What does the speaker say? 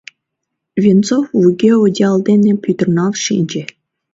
Венцов вуйге одеял дене пӱтырналт шинче.